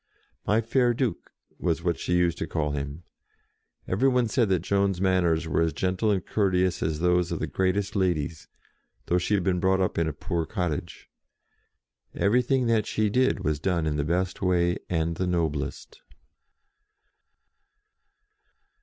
"My fair Duke" was what she used to call him. Every one said that Joan's manners 34 JOAN OF ARC were as gentle and courteous as those of the greatest ladies, though she had been brought up in a poor cottage. Everything that she did was done in the best way and the noblest.